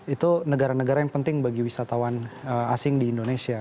itu negara negara yang penting bagi wisatawan asing di indonesia